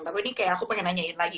tapi ini kayak aku pengen nanyain lagi